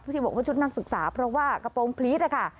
ที่บอกว่าชุดนักศึกษาเพราะว่ากระโปรงพลีสนะคะ